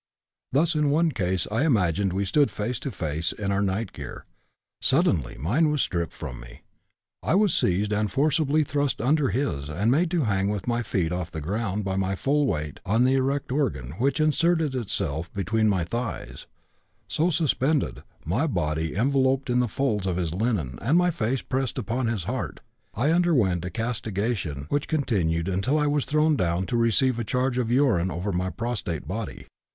Thus in one case I imagined we stood face to face in our night gear; suddenly mine was stripped from me; I was seized and forcibly thrust under his and made to hang with my feet off the ground by my full weight on the erect organ which inserted itself between my thighs; so suspended my body enveloped in the folds of his linen and my face pressed upon his heart I underwent a castigation which continued until I was thrown down to receive a discharge of urine over my prostrate body.